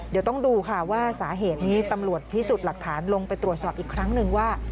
เดี๋ยวต้องดูค่ะว่าสาเหตุนี้ตำรวจพิสูจน์หลักฐานลงไปตรวจสอบอีกครั้งหนึ่งว่า